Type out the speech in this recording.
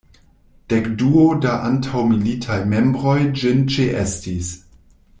Dekduo da antaŭmilitaj membroj ĝin ĉeestis.